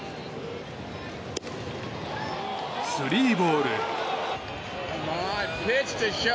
スリーボール。